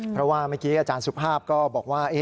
เพราะว่าเมื่อกี้อาจารย์สุภาพก็บอกว่า